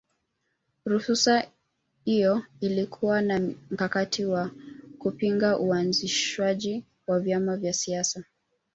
Ruhusa iyo ilikuwa ni mkakati wa kupinga uanzishwaji wa vyama vya siasa